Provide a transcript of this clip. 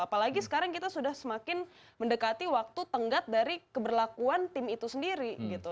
apalagi sekarang kita sudah semakin mendekati waktu tenggat dari keberlakuan tim itu sendiri gitu